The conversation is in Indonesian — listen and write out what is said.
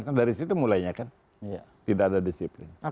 kan dari situ mulainya kan tidak ada disiplin